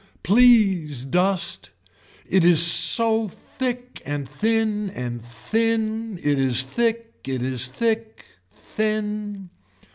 Please dust. It is so thick and thin and thin, it is thick. It is thick, thin.